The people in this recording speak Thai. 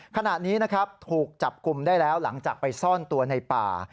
ขณะนี้นะครับถูกจับกลุ่มได้แล้วหลังจากไปซ่อนตัวในป่า